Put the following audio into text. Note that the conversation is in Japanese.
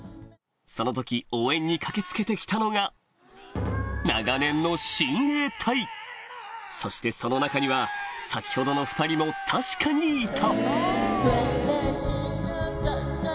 その時応援に駆け付けてきたのがそしてその中には先ほどの２人も確かにいた